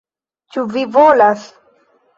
Ĉu vi volas...